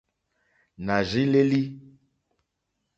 Nà rzí lélí.